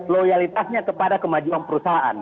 loyalitasnya kepada kemajuan perusahaan